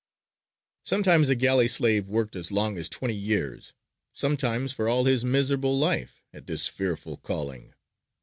" Sometimes a galley slave worked as long as twenty years, sometimes for all his miserable life, at this fearful calling.